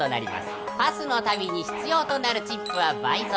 ［パスのたびに必要となるチップは倍増］